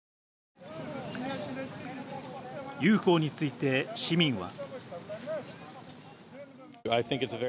ＵＦＯについて、市民は。